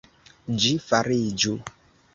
Ĝi fariĝu!